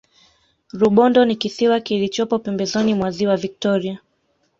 rubondo ni kisiwa kilichopo pembezoni mwa ziwa victoria